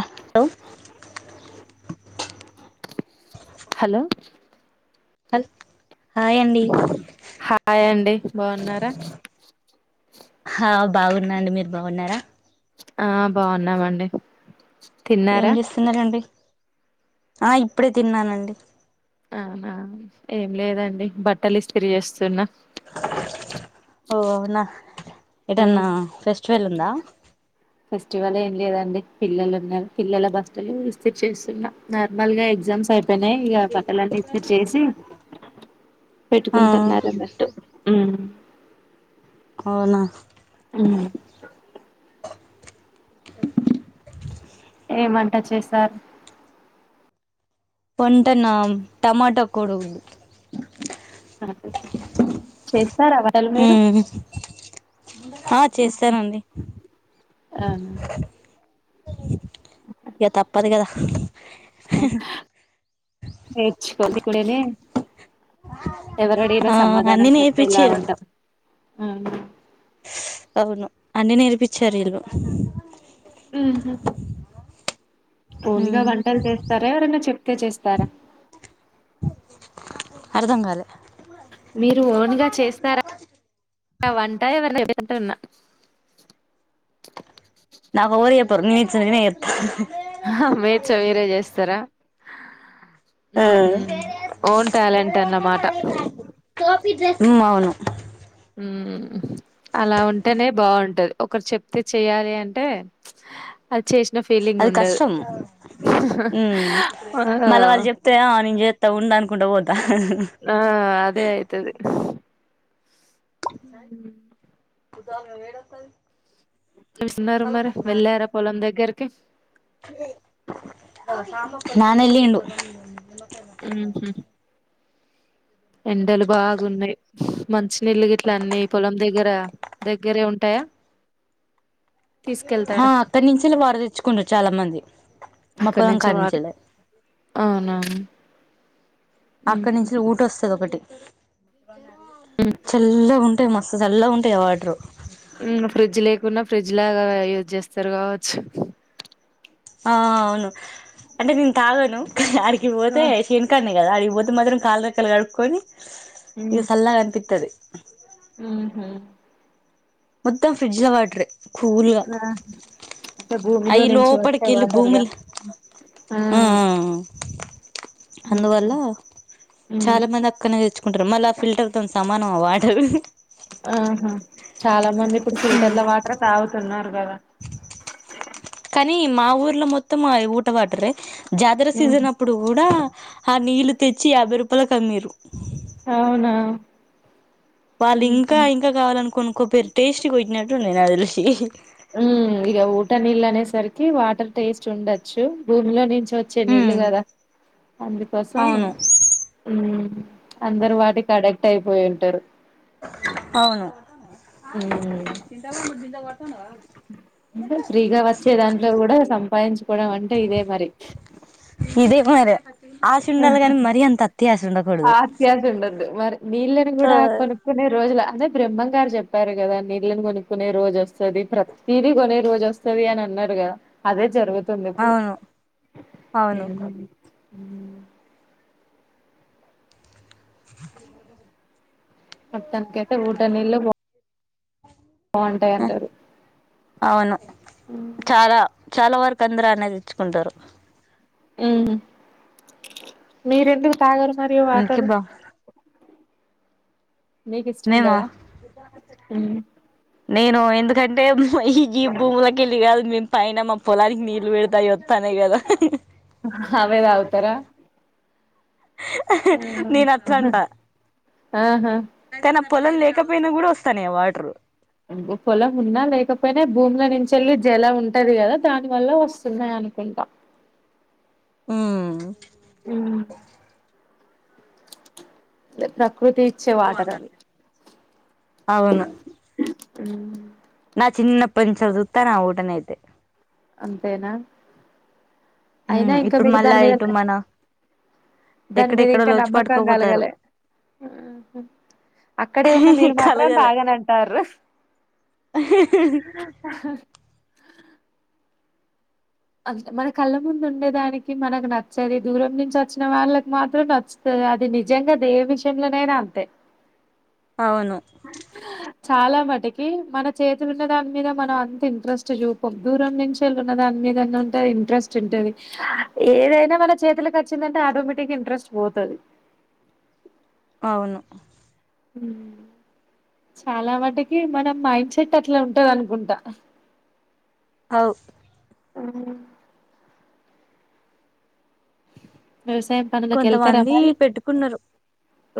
అ hello hello హల్ hi అండి hi అండి బాగున్నారా ఆ బాగున్నాండి మీరు బాగున్నారా ఆ బాగున్నామండి ఏం తిన్నారా చేస్తున్నారండి ఆ ఇప్పుడే తిన్నానండి అవునా ఏం లేదండి బట్టలు ఇస్తరి చేస్తున్న ఓ అవునా ఏదన్నా ఫెస్టివల్ ఉందా ఫెస్టివల్ ఏం లేదండి పిల్లలు ఉన్నారు పిల్లల బస్సులు విసిట్ చేస్తున్నా నార్మల్ గా ఎగ్జామ్స్ అయిపోనాయి ఇక పక్కలన్న ఇ చేసి ఆ పెట్టుకుంటున్నరు అన్నట్టు ఉమ్ ఉమ్ అవునా బోల సౌండ్ ఏం వంట చేశారు వంటన టమాటో కోడిగుడ్డు వంట నా చేస్తున్నాము ఉహు ఆ చేస్తనండి అవునా, ఇగ తప్పదు కదా నేర్చుకోవాలి ఇప్పుడే ఎవరడిగినా ఆ సమాధానం అన్నీ చెప్పేలా నేర్పిచ్చిర్రు ఉంటాం అవును అన్నీ నేర్పించారు వీళ్ళు ఓనుగా మ్మ్ వంటలు చేస్తారా ఎవరనా చెప్తే చేస్తారా అర్ధంకాలె మీరు ఓన్ గా చేస్తారా వంట ఎవరైనా చెప్తారా పెట్టన్న నాకు ఎవరు చెప్పారు నా ఇచ్చి నేనే చేస్తా మేర్చ వేరే చేస్తారా ఓన్ ట్యాలెంట్ అన్నమాట అవును ఉహు అలా ఉంటేనే బాగుంటది ఒకరు చెప్తే చెయాలి అంటే అది చేసి అది కష్టం ఉ ఆ మళ్ళా వాళ్ళు చెప్పితే నేను ఉంద అనుకుంట పోద్దు ఆ అదే అయతుది బాగా వేడి అత్తది చస్తున్నారా మరి వెళ్ళారా పొలం దగ్గరకి నాన్న ఎలిండు ఉహు ఎండలు బాగున్నాయి మంచ నీళ్లు గీట్ల అన్నీ పొలం దగ్గర దగ్గరే ఉంటాయా ఆ తీసుకెళ్తారా అక్కడి నుంచే వాటరు తెచ్చుకుంటారు చాలా మంది మా అక్కడ పొలం నుంచే కాడి వాటరు నుంచెల్లి అవునవును అక్కడి నుంచి ఊట వస్తది ఒకటి చల్లగా అంటే మస్తు మెల్లగా ఉంటాయి వాటర్ ఉమ్ ఫ్రిడ్జ్ లేకున్నా ఫ్రిడ్జ్ లాగా యూజ్ చేస్తారు కావచ్చు ఆ అవును అంటే నేను తాగాను అడికి పోతే ఆ చేను కానే వాడికి పోతే మాత్రం కాలు రెక్కలు కట్టుకొని సల్లగా అనిపితది ఉ హు మొత్తం ఫ్రిడ్జ్ లో వాటర్ ఆ అంటే భూమిలో అవి నుంచి లోపల వచ్చే వాటర్గా భూమిల ఆ ఆ ఆ ఉహు. అందువల్ల ఉమ్ చాలా మంది అక్కనే తెచ్చుకుంటారు మళ్ళీ ఫిల్టర్ తో సా అమ్మ వాటరు ఆహా చాలా మంది ఇప్పుడు ఫిల్టర్ల వాటర్ తాగుతున్నారు కదా కానీ మా ఊర్లో మొత్తం ఊట వాటరే జాతర ఉహు. సీజన్ అప్పుడు కూడా ఆ నీళ్లు తెచ్చి యాభై రూపాయలకు అమ్మీరు అవునా వాళ్ళు ఇంకా ఉమ్ ఇంకా కావాలనుకుని కొనుక్కున్నరు టేస్ట్ కొట్టినట్టు ఉన్నాయి నాకు తెలిసి మ్మ్ ఇగ ఊట నీళ్ళు అనేసరికి వాటర్ టేస్ట్ ఉండొచ్చు భూమిలో నుంచి వచ్చే నీళ్లు ఉమ్ కదా అందుకోసం అవును మ్మ్ అందరు వాటికాడే ఆగు పోయి ఉంటారు అవును ఉమ్ ఫ్రీగా వచ్చే దాంట్లో కూడా సంపాదించు కోవడమంటే ఇదే మరి ఇదే మరి ఆశ ఉండలి కాని మరీ అంత ఆశ ఉండకూడదు ఆత్యాశ ఉండద్దు మరి నీళ్ళని ఆ కూడా కొనుక్కునే రోజుల అదే బ్రహ్మ గారు చెప్పారు కదా నీళ్ళని కొనుక్కునే రోజు వస్తుంది ప్రతీదీ కొనే రోజు వస్తుది అని న్నారు కదా అదే జరుగుద్ది ఇప్పుడు అవును అవును మొత్తానికైతే ఊట నిళ్లు పో ఆ అవును చాలా చాలా వరకు అందరు అన్నే తేచ్చుకుంటారు మీరెందుకు తాగరు మరి అందుకే వాటరు బా నీకు ఇష్టం ఉండదా మేమా నేను ఎందుకంటే ఈ భూములకెళ్లి కాదు మేము పైన మా పొలానికి నీళ్లు పెడితే అయ్యి ఒత్తన్నాయ్ కదా ఆహా అవే తగుతర ఆహా నేను అట్లా అంటా ఆహా కని పొలం లేకపోయినా కూడా వస్తాన్నయ్ ఆ వాటరు పొలం ఉన్నా లేకపోయినా భూముల నుంచి వెళ్ళి జల ఉంటది కదా దాని వల్ల వస్తున్నాయి అనుకుంటా మ్మ్ మ్మ్ చెప్పు రా ప్రకృతి ఇచ్చే వాటర్ అవి అవును ఉ నా చిన్నప్పటి నుంచి చూస్తన్న ఆ ఊటనైయితే అంతేనా అయినా ఉమ్, ఇంకా ఇప్పుడు మీకు మళ్ళా దాని మీద ఇటు మన ఎక్కడెక్కడో ఇంకా లోచి నమ్మకం పట్టుకోపోతారు గాలగలే అక్కడే ఉన్న మీరు మాత్రం కలగలే తాగనంటాన్రు మన కళ్ళ ముందు ఉండేదానికి మనకు నచ్చది దూరం నుంచి వచ్చిన వాళ్ళకి మాత్రం నచ్చుతుంది అది నిజంగా దేని విషయంలోనైనా అంతే అవును చాలా మట్టుకి మన చేతులు ఉన్న దాని మీద మనం అంత ఇంట్రెస్ట్ చూపం దూరం నుంచి ఉన్న దానిమీద ఉంటే ఇంట్రెస్ట్ ఉంటది ఏదైనా మన చేతికి వచ్చిందంటే ఆటోమేటిక్ గా ఇంట్రెస్ట్ పోతది ది [unintelligible] అవును మ్మ్ చాలా మటుకి మనం మైండ్ సెట్ అట్లా ఉంటది అనుకుంటా అవు అ వ్యవసాయం పనులకు వెళ్తారా కొంతమంది మరి పెట్టుకున్నారు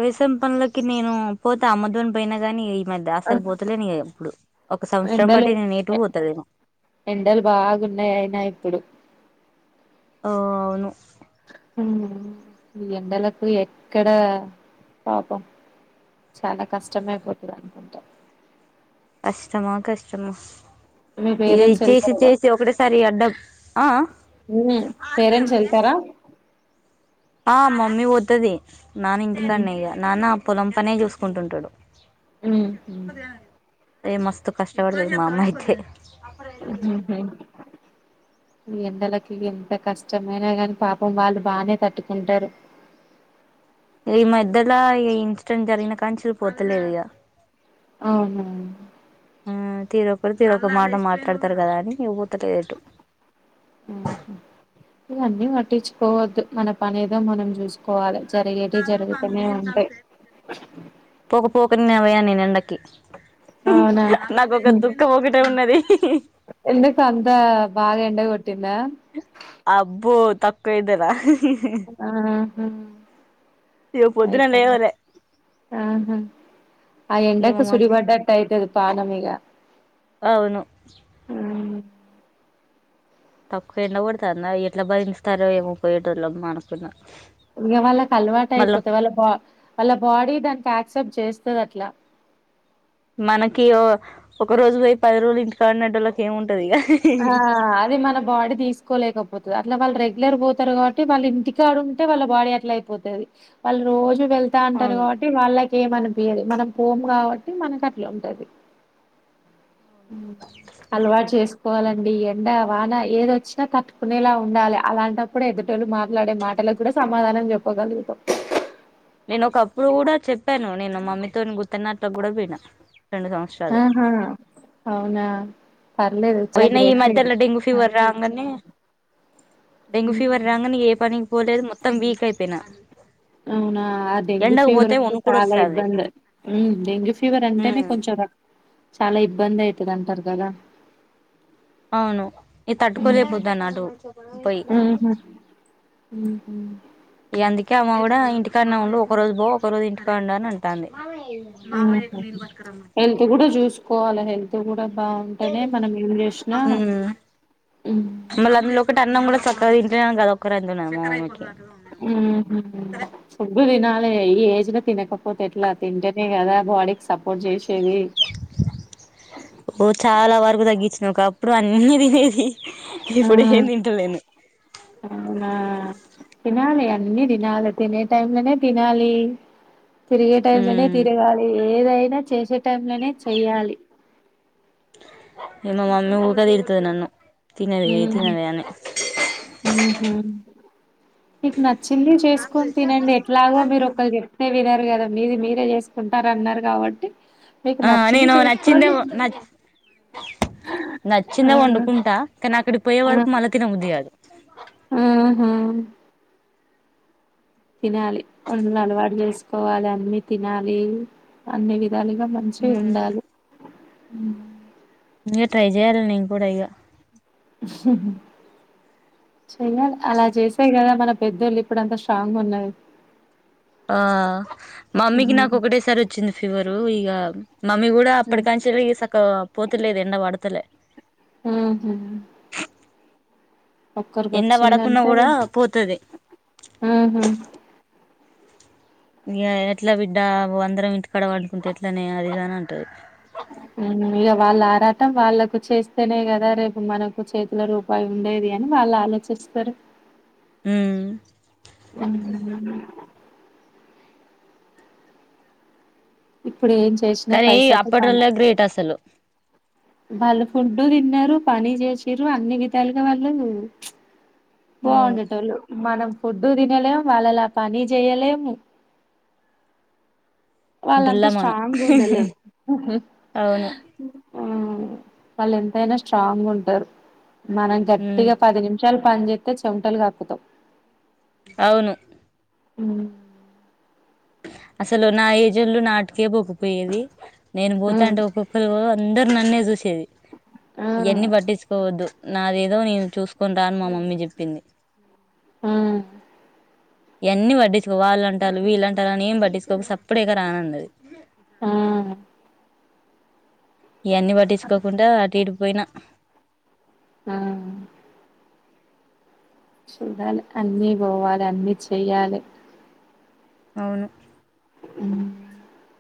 వేసం పనులకి నేను పోతే అమ్మ తోనే పోయిన కాని మ అసలు పోతలే నీ ఇప్పుడు ఒక సంవత్సరం ఎండలు బట్టి నేను నేటు పోతాలేను ఎండలు బాగున్నాయి అయినా ఇప్పుడు ఓ అవును ఈ ఎండలకు ఎక్కడ పాపం చాలా కష్టమయిపోతుంది అనుకుంటా కష్టమా కష్టమా మీ ఇది పేరెంట్స్ చేసి వెళ్తారు కదా చేసి ఒకటిసారి అడ్డం ఆ ఉ పేరెంట్స్ వెళ్తారా ఆ మమ్మీ పోతది నాన్న ఉమ్ ఇంటికాన ఇగ నాన్న పొలం పనే చూసుకుంటుంటాడు ఉమ్ ఏ మస్తు కష్టపడతాది మా అమ్మా ఇయితే అప్పురం ఎలా కేకదు ఉహుహు. ఉ ఈ ఎండలకి ఎంత కష్టమైనా కని పాపం వాళ్ళు బాగానే తట్టుకుంటారు [unintelligible] ఈ మధ్యలో ఈ ఇన్సిడెంట్ జరిగిన కానీంచి పోతలేదు ఇక అవున ఆ తీరొకరు తీర ఒక మాట మాట్లాడతారు కదా అని పోతలేదు ఎటు ఉహు. ఇవన్నీ పట్టించుకోవద్దు మన పని ఏదో మనం చూసుకోవాలి జరిగేటి జరుగుతూనే ఉంటాయి పోక పోక నిన్న పోయా ఎండకి అవునా నాకొక ఉమ్. దుఃఖం ఒకటే ఉన్నది ఎందుకు అంత బాగా ఎండ కొటింద అబ్బో తక్కువ ఎండన ఆ ఇగ పొద్దున లేవాలి ఆహా ఆ ఇగ ఎండకి మా మమ్మీ చుడిపడటయితేది పణం ఇగ అవును అ తక్కువ ఎండ పడుతుందా ఎట్లా భరిస్తారో ఏమో పోయేటోళ్ళ అనుకున్న ఇంక వాళ్ళకి అలవాటు అయిపోతాయి వాళ్ళ బా వాళ్ళ బాడీ దానికి యాక్సెప్ట్ చేస్త ది అట్ల మనకి ఒక రోజు పోయి పది రోజులు ఇంటి కడ వున్నోలకి ఏముంటు ఆ అది మన బాడీ తీసుకోలేకపోతుంది అట్లా వాళ్ళ ర రెగ్యులర్ పోతారు కాబట్టి వాళ్ళు ఇంటికాడా ఉంటే వాళ్ళ బాడీ అట్లా అయిపోతుది వాళ్ళు రోజు వెళ్తా అంటారు అవును కాబట్టి వాళ్ళకి ఏమ అనిపయది మనం పోము కాబట్టి మనకి అట్లాంటది అలవాటు చేసు ట్కోవాలండి ఎండ వాన ఏదొచ్చినా తట్టుకునేలా ఉండాలి అలాంటప్పుడు ఎదుటోళ్ళు మాట్లాడే మాట కూడా సమాధానం చెప్పగలుగుతం నేను ఒకప్పుడు కూడా చెప్పాను నేను మమ్మీతో గుర్తున్నట్లు కూడా పోయిన ఆహా అవునా పర్లేదు చాలా పోయినా ఈ గ్రేట్ మీరు మధ్యలో డెంగ్యూ ఫీవర్ రావంగానే డెంగ్యూ ఫీవర్ రాగానే ఏ పనికి పోలేదు మొత్తం వీక్ అయిపోయినా అవునా ఆ డెంగ్యూ ఎండకు ఫీవర్ పోతే వస్తే వణుకుడు చాలా వస్తాంది ఇబ్బంది డెంగ్యూ ఫీవర్ అంటేనే ఉమ్ కొంచెం [unintelligible] చాలా ఇబ్బంది అవుతుంది అంటారు కదా అవును ఇ తట్టుకోలేకపోతన అటు పోయి హ అందుకే అమ్మ కూడా ఇంటికన్నా ఉండు ఒక రోజు పో ఒక రోజు ఇంటికా ఉండ అని అంటాంది ఉమ్ మామయ్యకు నీళ్ళు పట్టుకురమ్మని హెల్త్ కూడా చూసుకోవాల హెల్త్ కూడా బాగుంటేనే మనం ఏం చేసినా ఉమ్ మళ్ళీ అందులో కూడా లో ఒకటి అన్నం కూడా ఇంటున్నా కద ఒక్కరు అతున్నా మానకి [unintelligible] హమ్ సుబ్భ దిన ఈ ఏజ్ లో తినకపోతే ఎట్లా తింటేనే కదా బాడీకి సపోర్ట్ చేసి ఓ చాలా వరకు తగ్గించిన ఒక అప్పుడు అన్నిీ తినేది ఇప్పుడు ఏం ఆహ్ తింటలేను అహ్ తినాలి అన్నీ తినాలి తినే టైంలనే తినాలి తిరిగే టై లోనే ఉమ్ తిరగాలి ఏదైనా చేసే టైం లోనే చెయ్యాలి ఇగ మా మమ్మీ కూడా టిడ్టది నన్ను తినండి తినండి అని ఉమ్ మీకు నచ్చింది చేసుకొని తినండి ఎట్లాగో మీరు ఒకరు చెప్తే విర వినరు కదా మీది మీరే చేసుకుంటారూ అన్నారు కాబట్టి మీకు అహ్ నచ్చింది నేను నచ్చిందే చేసుకోండి నచ్చ ఆ నచ్చిందే వండుకుంటా కానీ అక్కడ పోయే ఆ! వరకు మల్లా తినబుద్ధి కాదు ఉమ్ తినాలి వన్న అలవాటు చేసుకోవాలి అన్నిీ తినాలి అన్ని తిన్ గా మంచి ఉండాలి ఇంగ ఇంకా ట్రై చేయాలి నేను కూడా ఇగ ఉహ్ హు చెయ్యాలి అలా చేసేయి కదా మన పెద్దోళ్ళు ఇప్పుడు అంతా స్ట్రాంగ్ ఉన్నరూ అహ్ మమ్మీకి నాకు ఒకటేసారి వచ్చింది ఫీవరు ఇక మమ్మీ కూడా అప్పటికా చిరిగి సక్క పోతులేదు ఎండ పడతలే ఉమ్ ఒక్కరికి ఎండ పడకున్నా వచ్చిందంటే కూడా పోతది ఆహ ఇంక ఎట్లా బిడ్డ అందరం ఇంటికాడవండుకుంటే ఎట్లనే అది ఇది అని అంటది ఇక వాళ్ళ ఆరాటం వాళ్ళలకు చేస్తేనే కదా రేపు మనకు చేతిలో రూపాయి ఉండేది అని అలా ఆలోచిస్తారు ఉమ్ ఇప్పుడు ఏం చేసినా కానీ పైసాతో పన అప్పటోల్లే గ్రేట్ అసలు బళ్ళ ఫుడ్డు తి తిన్నారు పని చేసిారు అన్ని విధాలుగా వాళ్ళు అవును బాగుండేట వాళ్ళు మనం ఫుడ్డు తినలేము వాళ్ళలా పని చేయలేము డుల్ల వాళ్ళంతా మనం స్ట్రాంగ్గా ఉండలే ఉహూ హు అవును హమ్ వాళ్ళు ఎంతైనా స్ట్రాంగ్ ఉంటారు మనం ఉమ్ గట్టిగా పది నిమిషాలు పని చేస్తే చెంటలు కపుతాము అవును ఉమ్ అసలు నా ఏజన్లు నాటికే పోొగిపోయేది నేను ఆ పోతా అంటే ఒక్కొక్కరు అందరు నన్నే చూసేది ఆ ఇవన్నీ పట్టించుకోవద్దు నాదేదో నేను చూసుకొని రాని మా మమ్మీ చెప్పింది ఉమ్ ఈ వన్నీ పట్టించుకో వాళ్ళుంటారు వీళ్ళుంటారు అని ఏం పట్టించకోక సప్పుడు చెయ్యక రా అన్నది ఆ [unintelligible] ఇవన్నిీ పట్టించుకోకుండా అటు ఇటు పోయినా ఉహ్ చూడాల అన్నీ పోవాలి అన్నీ చెయ్యలే అవును అ [inaudible]